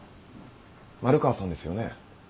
丸川さんですよね？